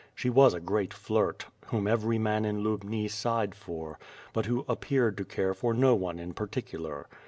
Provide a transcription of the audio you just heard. She was a great flirt, whom every man in Lubni sighed for, but who appeared to care for no one in particular.